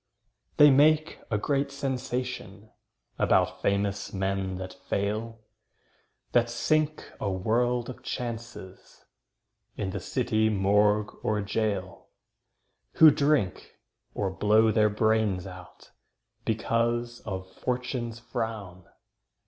They make a great sensation About famous men that fail, That sink a world of chances In the city morgue or gaol, Who drink, or blow their brains out, Because of "Fortune's frown".